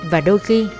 và đôi khi